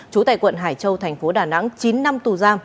trú tại quận hải châu tp đà nẵng chín năm tù giam